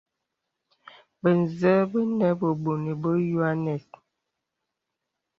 Bə̀ zə bə nə bə̀bònè bə yoanɛ̀s.